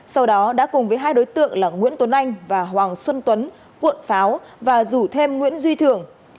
sau đó đã cùng với hai đối tượng là nguyễn tuấn anh và hoàng xuân tuấn cuộn pháo và rủ thêm nguyễn duy thường